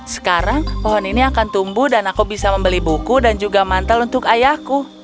sekarang pohon ini akan tumbuh dan aku bisa membeli buku dan juga mantel untuk ayahku